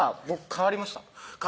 変わりました？